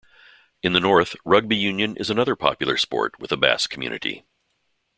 In the north, rugby union is another popular sport with the Basque community.